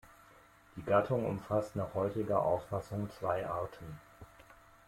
Die Gattung umfasst nach heutiger Auffassung zwei Arten.